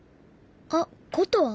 あっ「こと」は？